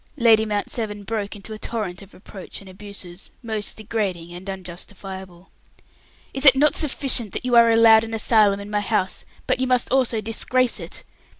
Lady Mount Severn broke into a torrent of reproach and abuses, most degrading and unjustifiable. "Is it not sufficient that you are allowed an asylum in my house, but you must also disgrace it!